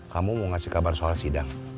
kamu mau ngasih kabar soal sidang